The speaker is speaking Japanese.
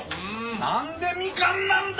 なんでみかんなんだ！